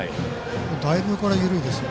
だいぶ緩いですよ。